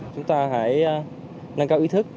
chúng ta hãy nâng cao ý thức